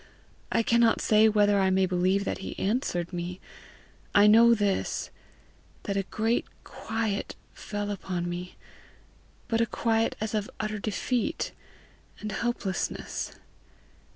I cannot say whether I may believe that he answered me; I know this, that a great quiet fell upon me but a quiet as of utter defeat and helplessness.